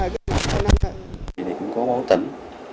vì vậy cũng có báo tỉnh